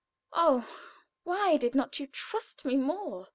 Oh, why did not you trust me more?